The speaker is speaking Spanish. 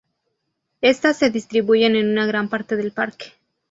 Estas se distribuyen en una gran parte del parque.